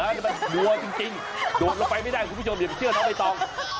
โดดลงไปไม่ได้คุณผู้ชมเดี๋ยวเชื่อเขาไม่ต้อง